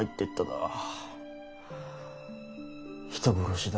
人殺しだ。